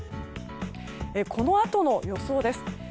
このあとの予想です。